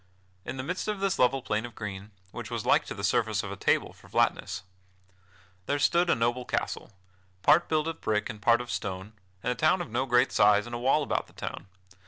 In the midst of this level plain of green (which was like to the surface of a table for flatness) there stood a noble castle, part built of brick and part of stone, and a town of no great size and a wall about the town.